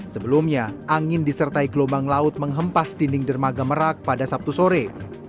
sebelumnya angin disertai gelombang laut menghempas dinding dermaga merak pada sabtu sore